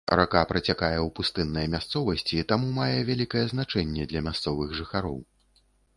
Рака працякае ў пустыннай мясцовасці, таму мае вялікае значэнне для мясцовых жыхароў.